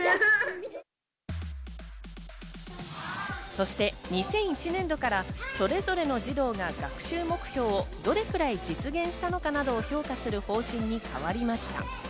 そして２００１年度からそれぞれの児童が学習目標をどれくらい実現したのかなどを評価する方針に変わりました。